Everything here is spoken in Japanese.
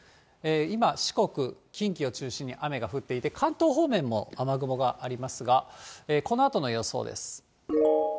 今、四国、近畿を中心に雨が降っていて、関東方面も雨雲がありますが、このあとの予想です。